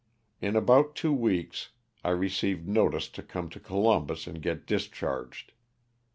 In about two weeks I received notice to come to Columbus and get discharged.